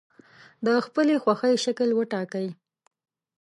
د خپلې خوښې شکل وټاکئ.